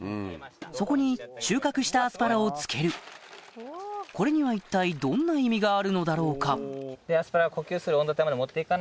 そこに収穫したアスパラをつけるこれには一体どんな意味があるのだろうか？